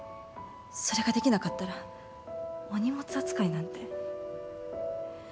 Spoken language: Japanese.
それができなかったらお荷物扱いなんて。